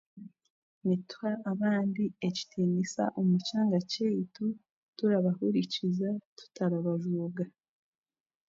Nituha abandi ekitiinisa omu kyanga kyaitu, turabahurikiza tutarabajooga